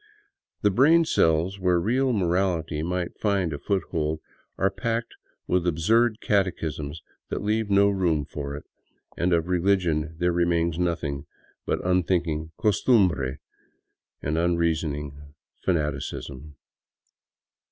The brain cells where real morality might find a foot hold are packed with absurd catechisms that leave no room for it ; and of religion there remains nothing but unthinking costumbre and un reasoning fanaticism.